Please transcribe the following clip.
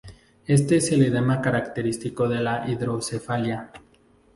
Este es el edema característico de la hidrocefalia.